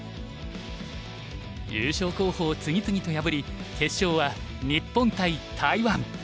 優勝候補を次々と破り決勝は日本対台湾。